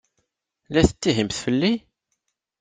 La tettihimt fell-i?